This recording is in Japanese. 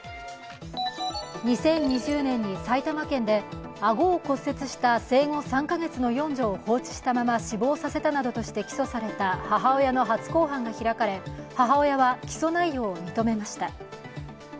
２０２０年に埼玉県で顎を骨折した生後３か月の四女を放置したまま死亡させたなどとして起訴された母親の初公判が開かれ母親は起訴内容を認めました。